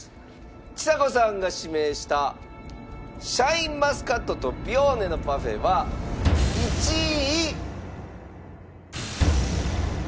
ちさ子さんが指名したシャインマスカットとピオーネのパフェは１位。